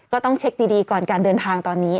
ก็ต้องเช็คดีก่อนการเดินทางตอนนี้